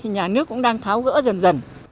nhà nước cũng đang tháo gỡ dần dần